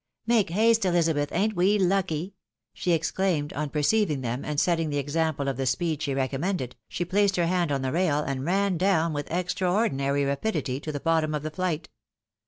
" Make haste, Elizabeth, ain't we lucky?" she exclaimed, on perceiving them, and setting the example of the speed she re commended, she placed her hand on the rail and ran down with extraordinary rapidity to the bottom of the flight.